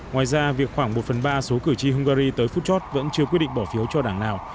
ngoài ra việc khoảng một phần ba số cử tri hungary tới phút chót vẫn chưa quyết định bỏ phiếu cho đảng nào